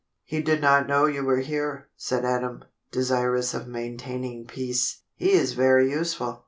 "He did not know you were here," said Adam, desirous of maintaining peace. "He is very useful.